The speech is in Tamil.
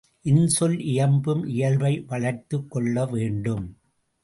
இன்சொல் இயம்பும் இயல்பை வளர்த்துக் கொள்ள வேண்டும்.